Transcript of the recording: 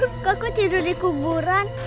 kok aku tidur di kuburan